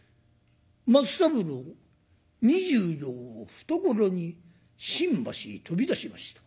松三郎２０両を懐に新橋を飛び出しました。